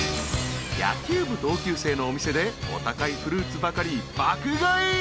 ［野球部同級生のお店でお高いフルーツばかり爆買い］